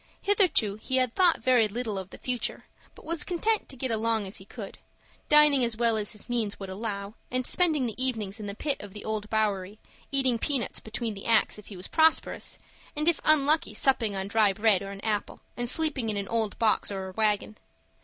Hitherto he had thought very little of the future, but was content to get along as he could, dining as well as his means would allow, and spending the evenings in the pit of the Old Bowery, eating peanuts between the acts if he was prosperous, and if unlucky supping on dry bread or an apple, and sleeping in an old box or a wagon.